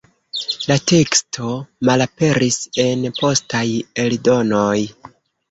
La teksto malaperis en postaj eldonoj.